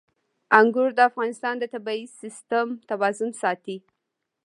انګور د افغانستان د طبعي سیسټم توازن ساتي.